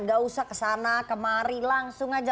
nggak usah ke sana kemari langsung aja